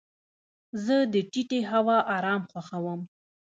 زه د ټیټې هوا ارام خوښوم.